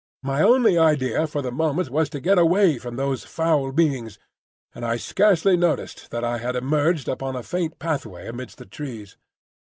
My only idea for the moment was to get away from these foul beings, and I scarcely noticed that I had emerged upon a faint pathway amidst the trees.